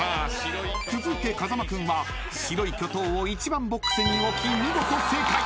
［続いて風間君は『白い巨塔』を１番ボックスに置き見事正解。